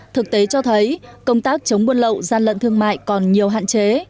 thực tế cho thấy công tác chống buôn lậu gian lận thương mại còn nhiều hạn chế